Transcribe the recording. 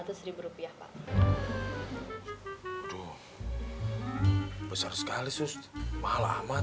aduh besar sekali suster mahal amat